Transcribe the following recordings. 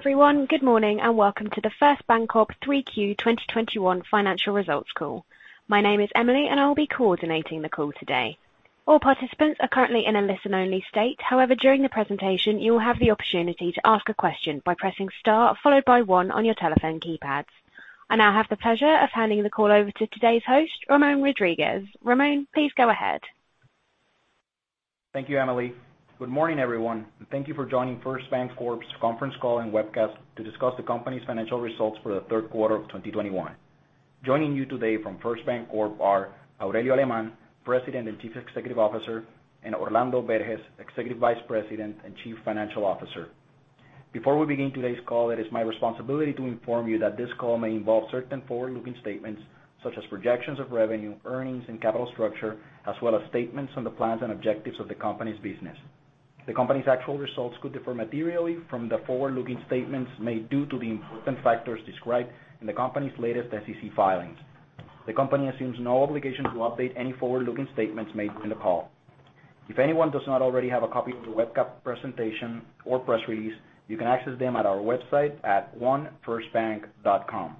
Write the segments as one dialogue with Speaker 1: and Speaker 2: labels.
Speaker 1: Hello everyone. Good morning, and welcome to the First BanCorp 3Q 2021 financial results call. My name is Emily and I'll be coordinating the call today. All participants are currently in a listen-only state. However, during the presentation, you will have the opportunity to ask a question by pressing star followed by one on your telephone keypads. I now have the pleasure of handing the call over to today's host, Ramon Rodriguez. Ramon, please go ahead.
Speaker 2: Thank you, Emily. Good morning, everyone, and thank you for joining First BanCorp's conference call and webcast to discuss the company's financial results for Q3 2021. Joining you today from First BanCorp are Aurelio Alemán, President and Chief Executive Officer, and Orlando Berges, Executive Vice President and Chief Financial Officer. Before we begin today's call, it is my responsibility to inform you that this call may involve certain forward-looking statements such as projections of revenue, earnings, and capital structure, as well as statements on the plans and objectives of the company's business. The company's actual results could differ materially from the forward-looking statements made due to the important factors described in the company's latest SEC filings. The company assumes no obligation to update any forward-looking statements made during the call. If anyone does not already have a copy of the webcast presentation or press release, you can access them at our website at onefirstbank.com.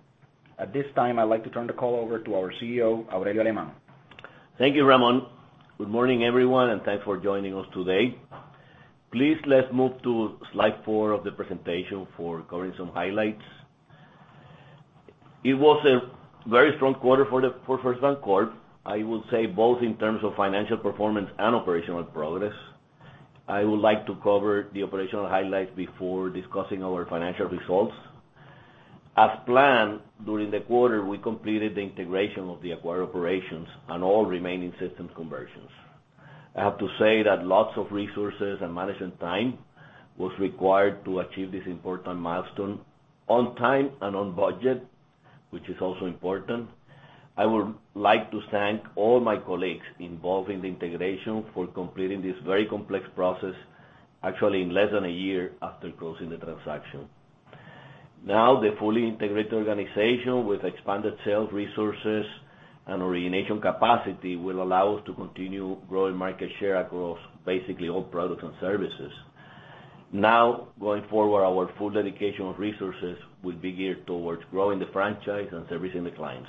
Speaker 2: At this time, I'd like to turn the call over to our CEO, Aurelio Alemán.
Speaker 3: Thank you, Ramon. Good morning, everyone, and thanks for joining us today. Please, let's move to slide four of the presentation for covering some highlights. It was a very strong quarter for First BanCorp, I would say both in terms of financial performance and operational progress. I would like to cover the operational highlights before discussing our financial results. As planned, during the quarter, we completed the integration of the acquired operations and all remaining system conversions. I have to say that lots of resources and management time was required to achieve this important milestone on time and on budget, which is also important. I would like to thank all my colleagues involved in the integration for completing this very complex process actually in less than a year after closing the transaction. The fully integrated organization with expanded sales resources and origination capacity will allow us to continue growing market share across basically all products and services. Going forward, our full dedication of resources will be geared towards growing the franchise and servicing the clients.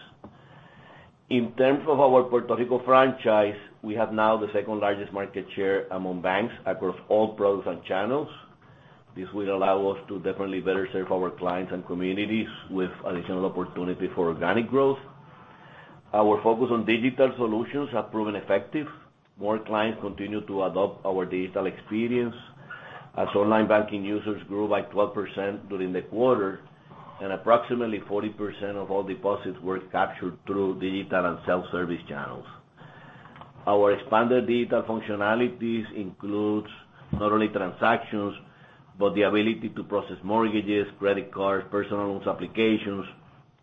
Speaker 3: In terms of our Puerto Rico franchise, we have now the second-largest market share among banks across all products and channels. This will allow us to definitely better serve our clients and communities with additional opportunity for organic growth. Our focus on digital solutions has proven effective. More clients continue to adopt our digital experience as online banking users grew by 12% during the quarter, and approximately 40% of all deposits were captured through digital and self-service channels. Our expanded digital functionalities includes not only transactions, but the ability to process mortgages, credit cards, personal loans applications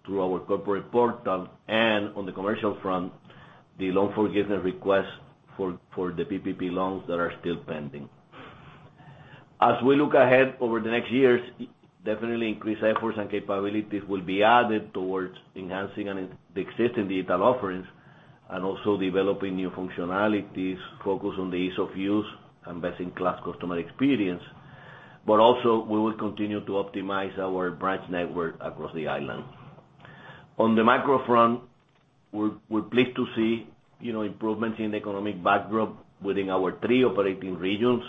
Speaker 3: through our corporate portal, and on the commercial front, the loan forgiveness request for the PPP loans that are still pending. As we look ahead over the next years, definitely increased efforts and capabilities will be added towards enhancing the existing digital offerings and also developing new functionalities focused on the ease of use and best-in-class customer experience. Also, we will continue to optimize our branch network across the island. On the macro front, we're pleased to see improvements in the economic backdrop within our three operating regions.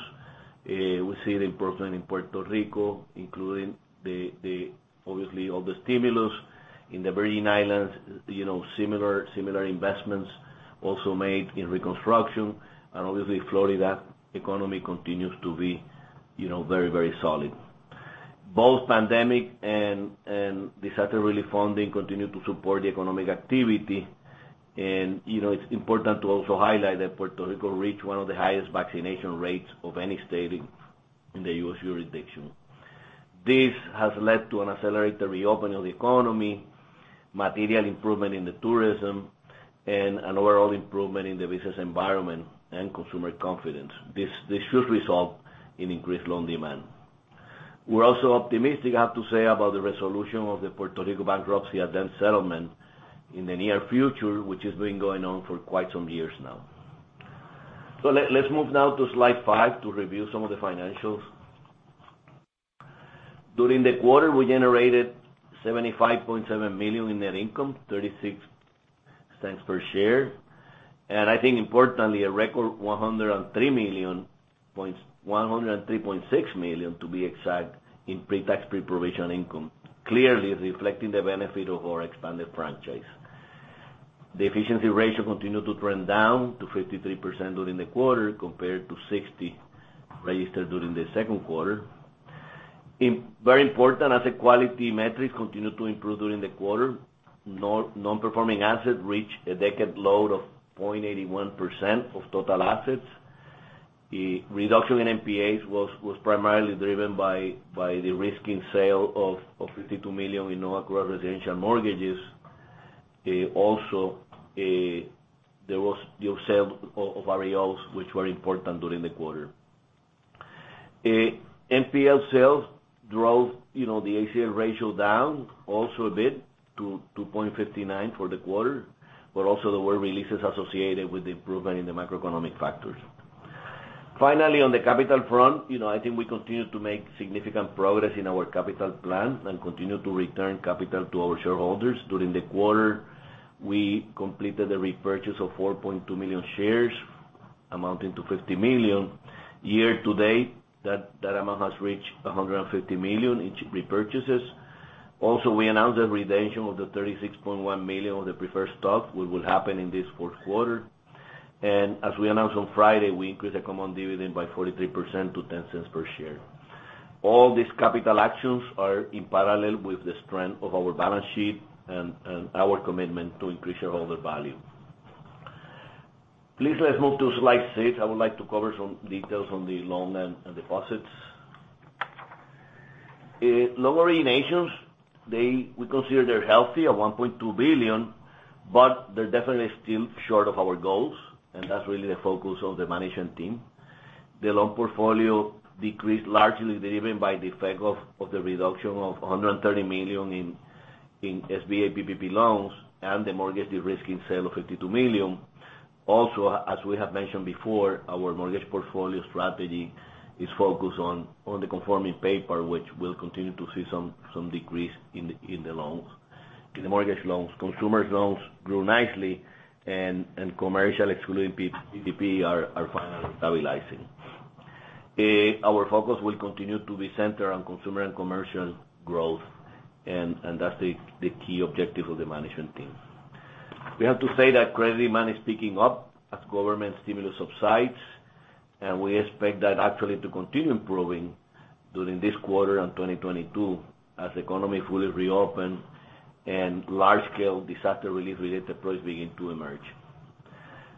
Speaker 3: We see the improvement in Puerto Rico, including obviously all the stimulus in the Virgin Islands, similar investments also made in reconstruction, and obviously Florida economy continues to be very solid. Both pandemic and disaster relief funding continue to support the economic activity. It's important to also highlight that Puerto Rico reached one of the highest vaccination rates of any state in the U.S. jurisdiction. This has led to an accelerated reopening of the economy, material improvement in the tourism, and an overall improvement in the business environment and consumer confidence. This should result in increased loan demand. We're also optimistic, I have to say, about the resolution of the Puerto Rico bankruptcy and debt settlement in the near future, which has been going on for quite some years now. Let's move now to slide five to review some of the financials. During the quarter, we generated $75.7 million in net income, $0.36 per share. I think importantly, a record $103.6 million, to be exact, in pre-tax, pre-provision income, clearly reflecting the benefit of our expanded franchise. The efficiency ratio continued to trend down to 53% during the quarter, compared to 60% registered during the second quarter. Very important, asset quality metrics continued to improve during the quarter. Non-performing assets reached a decade low of 0.81% of total assets. The reduction in NPAs was primarily driven by the de-risking sale of $52 million in non-accrual residential mortgages. Also, there was the sale of REOs which were important during the quarter. NPL sales drove the ACL ratio down also a bit to 2.59 for the quarter, but also there were releases associated with the improvement in the macroeconomic factors. Finally, on the capital front, I think we continue to make significant progress in our capital plan and continue to return capital to our shareholders. During the quarter, we completed the repurchase of 4.2 million shares, amounting to $50 million. Year to date, that amount has reached $150 million in repurchases. We announced the redemption of the $36.1 million of the preferred stock, which will happen in this fourth quarter. As we announced on Friday, we increased the common dividend by 43% to $0.10 per share. All these capital actions are in parallel with the strength of our balance sheet and our commitment to increase shareholder value. Please let's move to slide six. I would like to cover some details on the loans and deposits. Loan originations, we consider they're healthy at $1.2 billion, but they're definitely still short of our goals, and that's really the focus of the management team. The loan portfolio decreased largely driven by the effect of the reduction of $130 million in SBA PPP loans and the mortgage de-risking sale of $52 million. Also, as we have mentioned before, our mortgage portfolio strategy is focused on the conforming paper, which we'll continue to see some decrease in the mortgage loans. Consumer loans grew nicely, and commercial, excluding PPP, are finally stabilizing. Our focus will continue to be centered on consumer and commercial growth, and that's the key objective of the management team. We have to say that credit demand is picking up as government stimulus subsides, and we expect that actually to continue improving during this quarter and 2022 as the economy fully reopens and large-scale disaster-relief related deposits begin to emerge.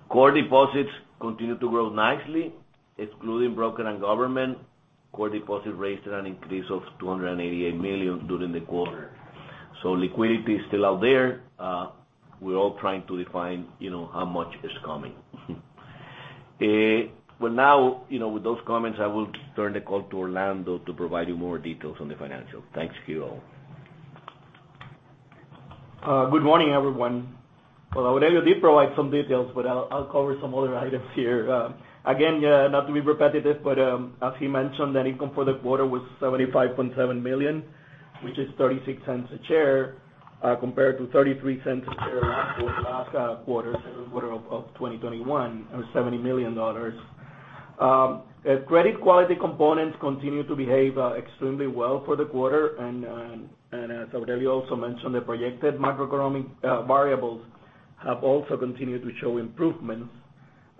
Speaker 3: Core deposits continue to grow nicely. Excluding broker and government, core deposits raised an increase of $288 million during the quarter. Liquidity is still out there. We're all trying to define how much is coming. Well now, with those comments, I will turn the call to Orlando to provide you more details on the financials. Thanks to you all.
Speaker 4: Good morning, everyone. Well, Aurelio did provide some details, but I'll cover some other items here. Again, not to be repetitive, but as he mentioned, net income for the quarter was $75.7 million, which is $0.36 a share, compared to $0.33 a share last quarter, the second quarter of 2021, or $70 million. Credit quality components continue to behave extremely well for the quarter. As Aurelio also mentioned, the projected macroeconomic variables have also continued to show improvements.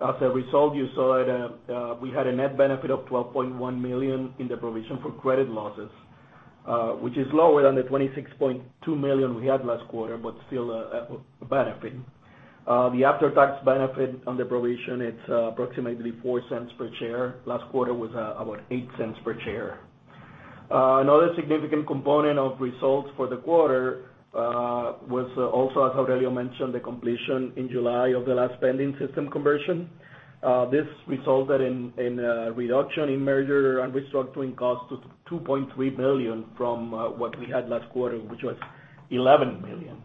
Speaker 4: As a result, you saw we had a net benefit of $12.1 million in the provision for credit losses, which is lower than the $26.2 million we had last quarter, but still a benefit. The after-tax benefit on the provision, it's approximately $0.04 per share. Last quarter was about $0.08 per share. Another significant component of results for the quarter was also, as Aurelio mentioned, the completion in July of the last pending system conversion. This resulted in a reduction in merger and restructuring costs to $2.3 million from what we had last quarter, which was $11 million.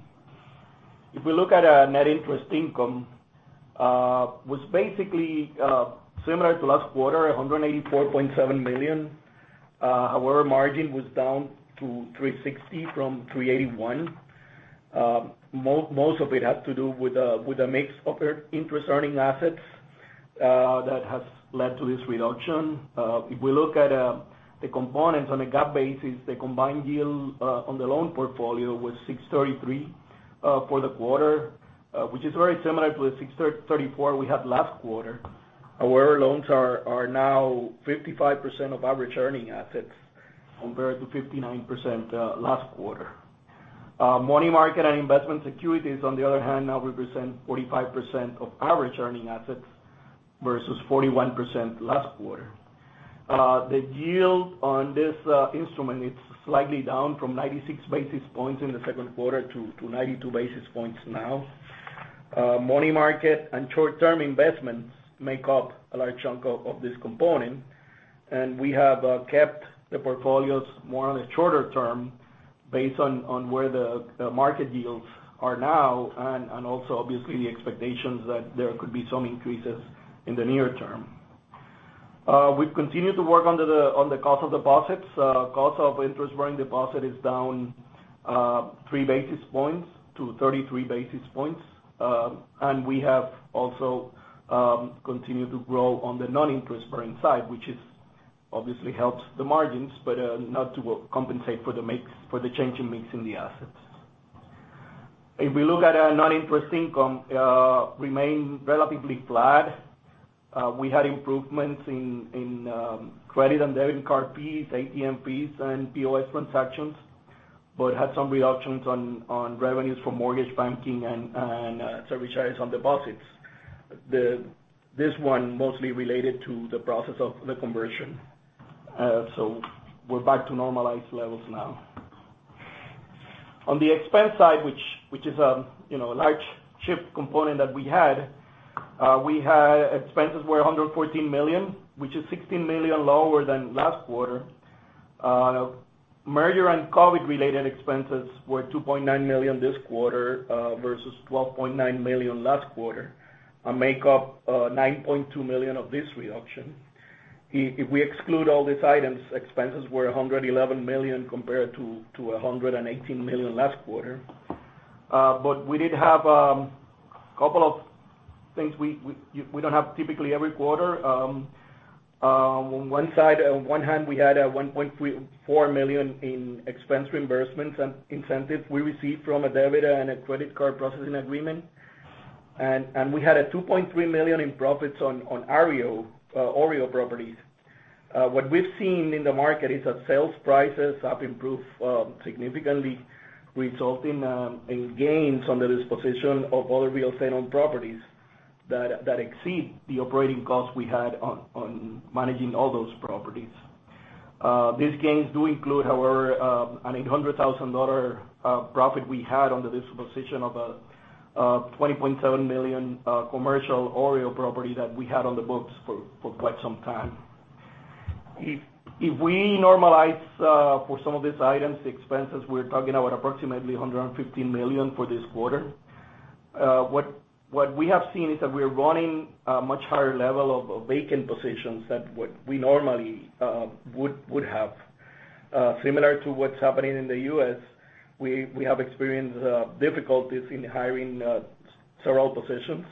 Speaker 4: If we look at net interest income, was basically similar to last quarter, $184.7 million. However, margin was down to 360 from 381. Most of it had to do with the mix of interest-earning assets that has led to this reduction. If we look at the components on a GAAP basis, the combined yield on the loan portfolio was 633 for the quarter, which is very similar to the 634 we had last quarter. Our loans are now 55% of average-earning assets compared to 59% last quarter. Money market and investment securities, on the other hand, now represent 45% of average-earning assets versus 41% last quarter. The yield on this instrument is slightly down from 96 basis points in the second quarter to 92 basis points now. Money market and short-term investments make up a large chunk of this component. We have kept the portfolios more on the shorter term based on where the market yields are now and also obviously the expectations that there could be some increases in the near term. We've continued to work on the cost of deposits. Cost of interest-bearing deposit is down 3 basis points to 33 basis points. We have also continued to grow on the non-interest-bearing side, which obviously helps the margins, but not to compensate for the change in mix in the assets. If we look at non-interest income, remained relatively flat. We had improvements in credit and debit card fees, ATM fees, and POS transactions. Had some reductions on revenues for mortgage banking and service charges on deposits. This one mostly related to the process of the conversion. We're back to normalized levels now. On the expense side, which is a large shift component that we had, we had expenses were $114 million, which is $16 million lower than last quarter. Merger and COVID related expenses were $2.9 million this quarter versus $12.9 million last quarter and make up $9.2 million of this reduction. If we exclude all these items, expenses were $111 million compared to $118 million last quarter. We did have a couple of things we don't have typically every quarter. On one hand, we had a $1.4 million in expense reimbursements and incentives we received from a debit card and a credit card processing agreement. We had a $2.3 million in profits on OREO properties. What we've seen in the market is that sales prices have improved significantly, resulting in gains on the disposition of other real estate owned properties that exceed the operating costs we had on managing all those properties. These gains do include, however, an $800,000 profit we had under the disposition of a $20.7 million commercial OREO property that we had on the books for quite some time. If we normalize for some of these items, the expenses, we're talking about approximately $115 million for this quarter. What we have seen is that we are running a much higher level of vacant positions than what we normally would have. Similar to what's happening in the U.S., we have experienced difficulties in hiring several positions,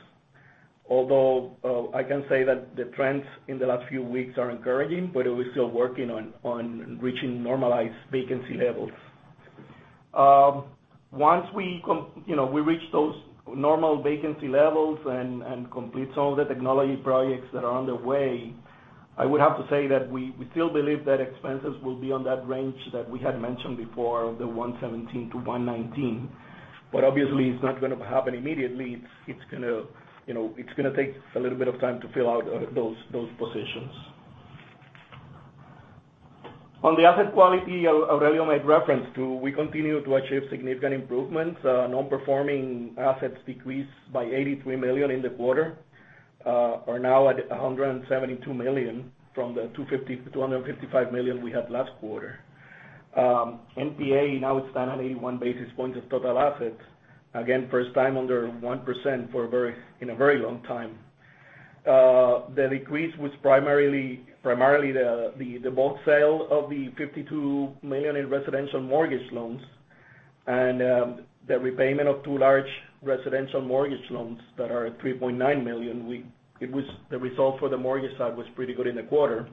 Speaker 4: although I can say that the trends in the last few weeks are encouraging, we're still working on reaching normalized vacancy levels. Once we reach those normal vacancy levels and complete some of the technology projects that are on the way, I would have to say that we still believe that expenses will be on that range that we had mentioned before, the 117 to 119. Obviously it's not going to happen immediately. It's going to take a little bit of time to fill out those positions. On the asset quality Aurelio made reference to, we continue to achieve significant improvements. Non-performing assets decreased by $83 million in the quarter, are now at $172 million from the $255 million we had last quarter. NPA now is standing at 81 basis points of total assets. First time under 1% in a very long time. The decrease was primarily the bulk sale of the $52 million in residential mortgage loans and the repayment of two large residential mortgage loans that are at $3.9 million. The result for the mortgage side was pretty good in the quarter.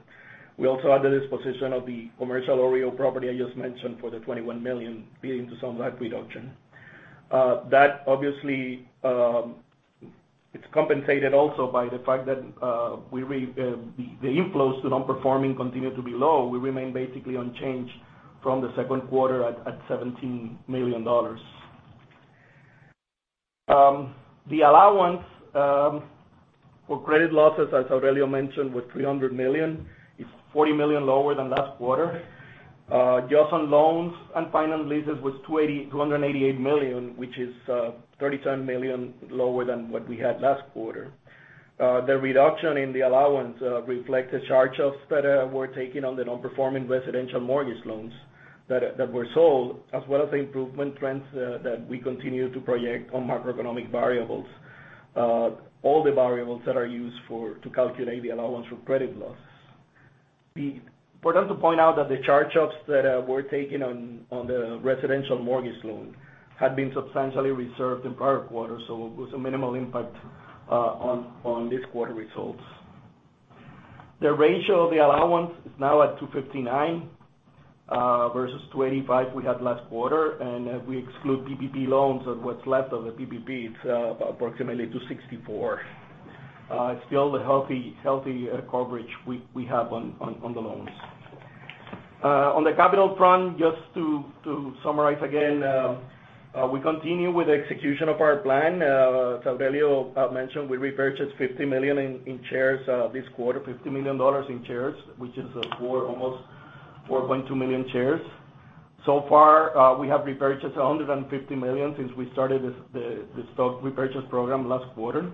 Speaker 4: We also had the disposition of the commercial OREO property I just mentioned for the $21 million feeding to some of that reduction. It's compensated also by the fact that the inflows to non-performing continue to be low. We remain basically unchanged from the second quarter at $17 million. The allowance for credit losses, as Aurelio mentioned, was $300 million, is $40 million lower than last quarter. On loans and finance leases was $288 million, which is $37 million lower than what we had last quarter. The reduction in the allowance reflects the charge-offs that were taken on the non-performing residential mortgage loans that were sold, as well as the improvement trends that we continue to project on macroeconomic variables, all the variables that are used to calculate the allowance for credit losses. We forgot to point out that the charge-offs that were taken on the residential mortgage loan had been substantially reserved in prior quarters, so it was a minimal impact on this quarter results. The ratio of the allowance is now at 259 versus 25 we had last quarter. If we exclude PPP loans and what's left of the PPP, it's approximately 264. It's still the healthy coverage we have on the loans. On the capital front, just to summarize again, we continue with the execution of our plan. As Aurelio mentioned, we repurchased $50 million in shares this quarter, $50 million in shares, which is almost 4.2 million shares. So far, we have repurchased $150 million since we started the stock repurchase program last quarter.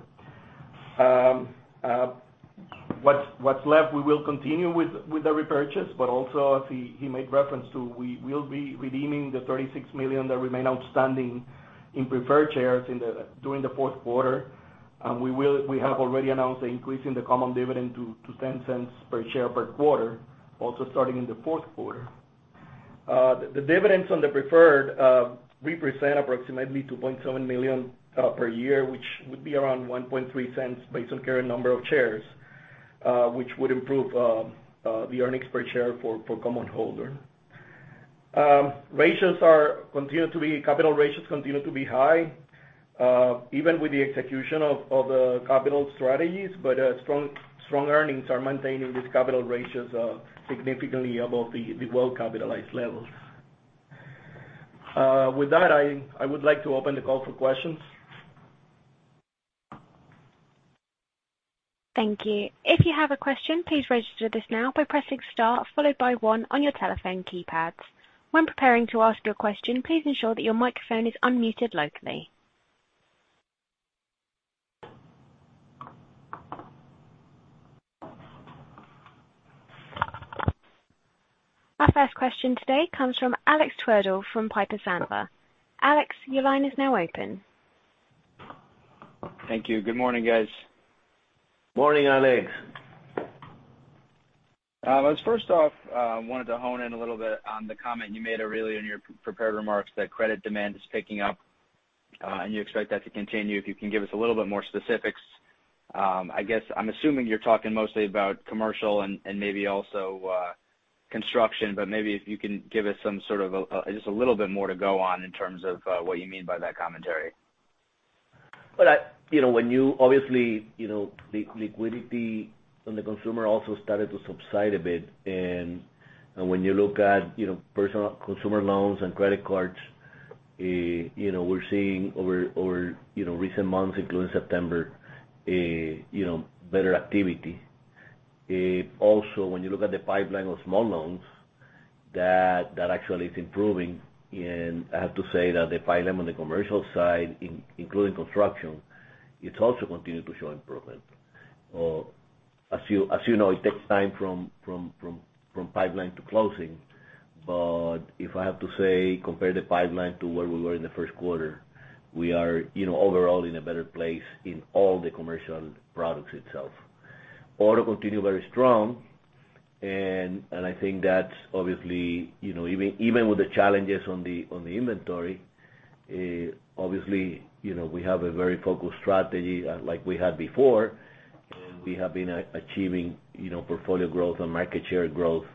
Speaker 4: What's left, we will continue with the repurchase, but also as he made reference to, we will be redeeming the $36 million that remain outstanding in preferred shares during the fourth quarter. We have already announced the increase in the common dividend to $0.10 per share per quarter, also starting in the fourth quarter. The dividends on the preferred represent approximately $2.7 million per year, which would be around $0.013 based on current number of shares, which would improve the earnings per share for common holder. Capital ratios continue to be high, even with the execution of the capital strategies, but strong earnings are maintaining these capital ratios significantly above the well-capitalized levels. With that, I would like to open the call for questions.
Speaker 1: Thank you. Our first question today comes from Alexander Twerdahl from Piper Sandler. Alex, your line is now open.
Speaker 5: Thank you. Good morning, guys.
Speaker 3: Morning, Alex.
Speaker 5: First off, I wanted to hone in a little bit on the comment you made, Aurelio, in your prepared remarks that credit demand is picking up, and you expect that to continue. If you can give us a little bit more specifics? I'm assuming you're talking mostly about commercial and maybe also construction, but maybe if you can give us just a little bit more to go on in terms of what you mean by that commentary?
Speaker 3: When you, obviously, liquidity on the consumer also started to subside a bit. When you look at personal consumer loans and credit cards, we're seeing over recent months, including September, better activity. Also, when you look at the pipeline of small loans, that actually is improving. I have to say that the pipeline on the commercial side, including construction, it's also continued to show improvement. As you know, it takes time from pipeline to closing. If I have to say, compare the pipeline to where we were in the first quarter, we are overall in a better place in all the commercial products itself. Auto continued very strong, and I think that's obviously, even with the challenges on the inventory, obviously, we have a very focused strategy like we had before, and we have been achieving portfolio growth and market share growth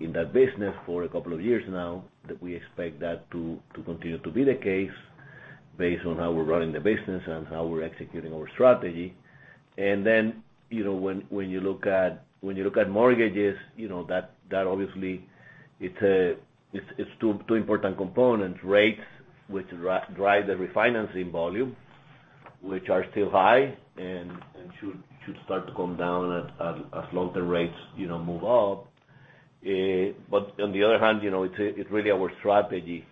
Speaker 3: in that business for a couple of years now. That we expect that to continue to be the case based on how we're running the business and how we're executing our strategy. When you look at mortgages, that obviously it's two important components, rates which drive the refinancing volume, which are still high and should start to come down as long-term rates move up. On the other hand, it's really our strategy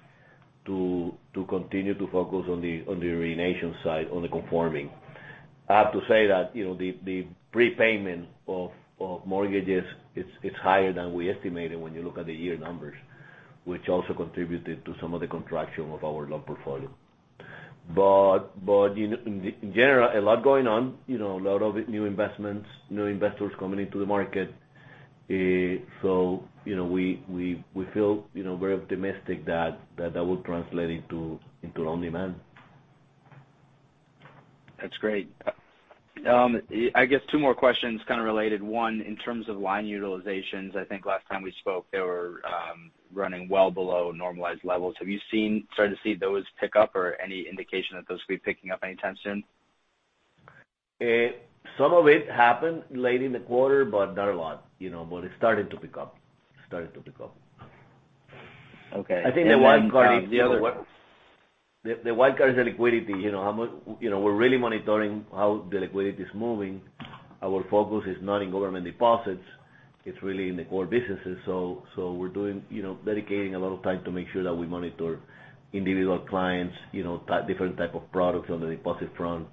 Speaker 3: to continue to focus on the origination side, on the conforming. I have to say that the prepayment of mortgages, it's higher than we estimated when you look at the year numbers, which also contributed to some of the contraction of our loan portfolio. In general, a lot going on. A lot of new investments, new investors coming into the market. We feel very optimistic that will translate into loan demand.
Speaker 5: That's great. I guess two more questions kind of related. One, in terms of line utilizations, I think last time we spoke, they were running well below normalized levels. Have you started to see those pick up or any indication that those will be picking up anytime soon?
Speaker 3: Some of it happened late in the quarter, but not a lot. It's starting to pick up.
Speaker 5: Okay.
Speaker 3: I think the wild card is the liquidity. We're really monitoring how the liquidity is moving. Our focus is not in government deposits, it's really in the core businesses. We're dedicating a lot of time to make sure that we monitor individual clients, different type of products on the deposit front.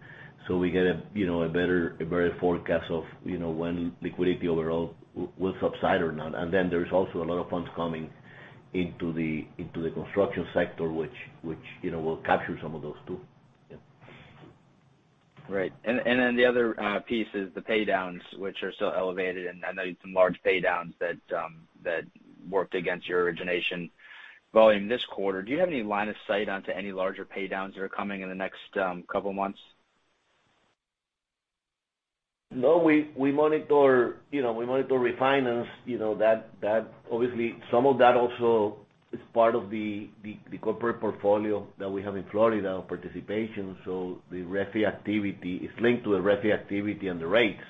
Speaker 3: We get a better forecast of when liquidity overall will subside or not. There's also a lot of funds coming into the construction sector, which will capture some of those, too. Yeah.
Speaker 5: Right. Then the other piece is the paydowns, which are still elevated, and I know some large paydowns that worked against your origination volume this quarter. Do you have any line of sight onto any larger paydowns that are coming in the next couple of months?
Speaker 3: No. We monitor refinance. Obviously, some of that also is part of the corporate portfolio that we have in Florida, our participation. It's linked to the refi activity and the rates.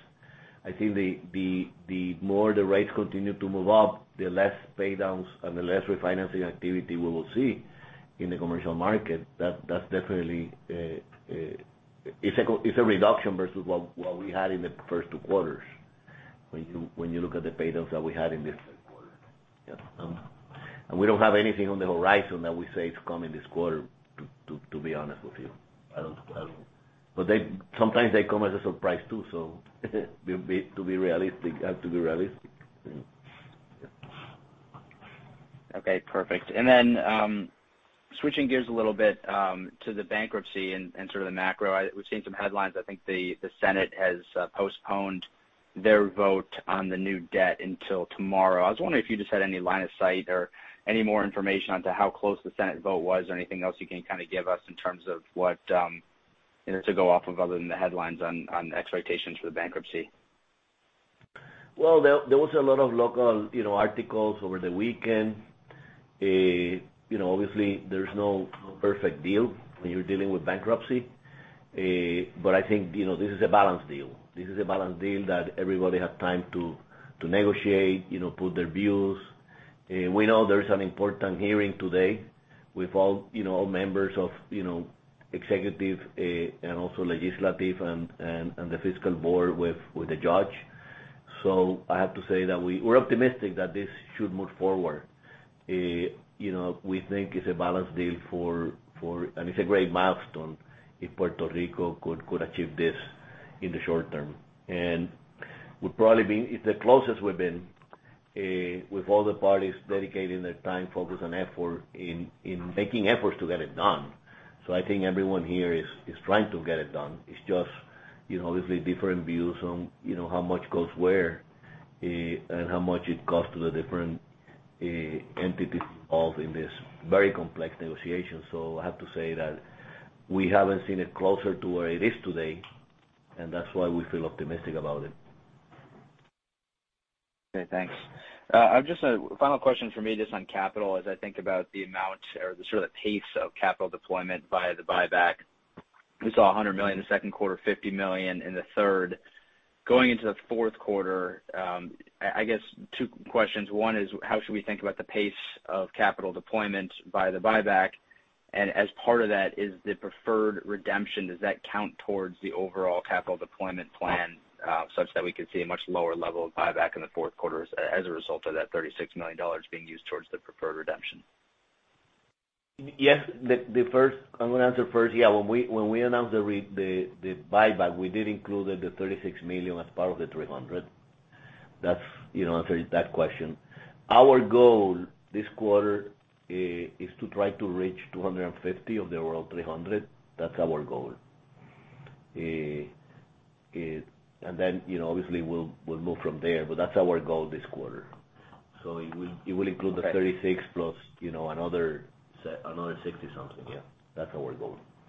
Speaker 3: I think the more the rates continue to move up, the less paydowns and the less refinancing activity we will see in the commercial market. It's a reduction versus what we had in the first two quarters when you look at the paydowns that we had in this third quarter. Yeah. We don't have anything on the horizon that we say it's coming this quarter, to be honest with you. I don't. Sometimes they come as a surprise, too, so to be realistic, I have to be realistic. Yeah.
Speaker 5: Okay, perfect. Switching gears a little bit to the bankruptcy and sort of the macro, we've seen some headlines. I think the Senate has postponed their vote on the new debt until tomorrow. I was wondering if you just had any line of sight or any more information onto how close the Senate vote was or anything else you can kind of give us in terms of what to go off of other than the headlines on expectations for the bankruptcy.
Speaker 3: Well, there was a lot of local articles over the weekend. Obviously, there's no perfect deal when you're dealing with bankruptcy. I think this is a balanced deal. This is a balanced deal that everybody had time to negotiate, put their views. We know there is an important hearing today with all members of executive, and also legislative, and the fiscal board with the judge. I have to say that we're optimistic that this should move forward. We think it's a balanced deal, and it's a great milestone if Puerto Rico could achieve this in the short term. It's the closest we've been with all the parties dedicating their time, focus, and effort in making efforts to get it done. I think everyone here is trying to get it done. It's just obviously different views on how much goes where, and how much it costs to the different entities involved in this very complex negotiation. I have to say that we haven't seen it closer to where it is today, and that's why we feel optimistic about it.
Speaker 5: Okay, thanks. Just a final question from me just on capital, as I think about the amount or the sort of pace of capital deployment via the buyback. We saw $100 million in the second quarter, $50 million in the third. Going into the fourth quarter, I guess two questions. One is, how should we think about the pace of capital deployment via the buyback? As part of that, is the preferred redemption, does that count towards the overall capital deployment plan such that we could see a much lower level of buyback in the fourth quarter as a result of that $36 million being used towards the preferred redemption?
Speaker 3: Yes. I'm going to answer first. Yeah. When we announced the buyback, we did include the $36 million as part of the $300 million. That answers that question. Our goal this quarter is to try to reach $250 million of the overall $300 million. That's our goal. Obviously, we'll move from there, but that's our goal this quarter. It will include the $36 million plus another 60 something. Yeah. That's our goal.